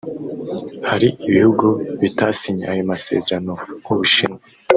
Hari ibihugu bitasinye ayo masezerano nk’u Bushinwa